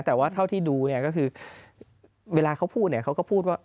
แต่ว่าเท่าที่ดูเนี่ยก็คือเวลาเขาพูดเนี่ยเขาก็พูดว่า